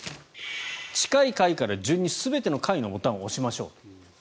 近い階から順に全ての階のボタンを押しましょう。